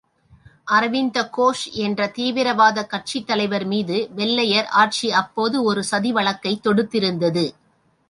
அரவிந்த கோஷ் என்ற தீவிரவாதக் கட்சித் தலைவர் மீது வெள்யைர் ஆட்சி அப்போது ஒரு சதி வழக்கைத் தொடுத்திருந்தது.